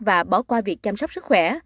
và bỏ qua việc chăm sóc sức khỏe